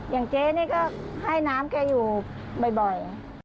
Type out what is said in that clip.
อย่างเจ๊นี่ก็ให้น้ำแกอยู่บ่อย